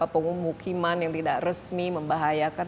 pemumukiman yang tidak resmi membahayakan